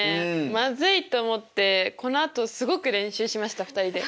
「まずい！」と思ってこのあとすごく練習しました２人で。